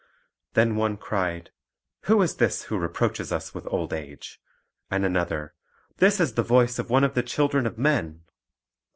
Then one cried, "Who is this who reproaches us with old age?" And another, "This is the voice of one of the children of men."